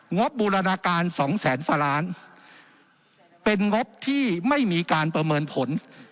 งบบูรณาการ๒แสนประมาณเป็นงบที่ไม่มีการประเมินผล